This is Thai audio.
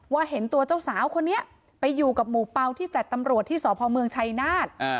ว่าเห็นตัวเจ้าสาวคนนี้ไปอยู่กับหมู่เปาที่แฟลทตำรวจที่สพมชัยนาทน์